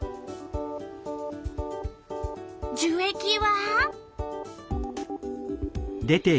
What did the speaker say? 樹液は？